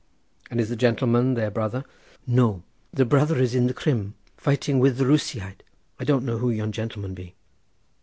"And is the gentleman their brother?" "No! The brother is in the Crim—fighting with the Roosiaid. I don't know who yon gentleman be."